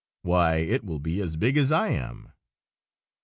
"Why, it will be as big as I am!"